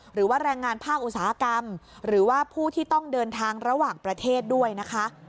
หรือว่าแรงงานภาคอุตสาหกรรมหรือว่าผู้ที่ต้องเดินทางระหว่างประเทศด้วยนะคะ